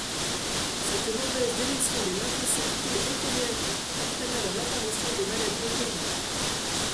Cette mauvaise délétion des lymphocytes T auto-réactifs entraîne alors l'apparition de maladie auto-immune.